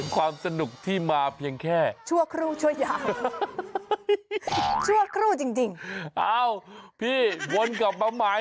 ความสนุกที่มาเพียงแค่ชั่วครู่ชั่วยาวชั่วครู่จริงจริงอ้าวพี่วนกลับมาใหม่